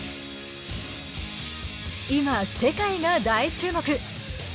今、世界が大注目。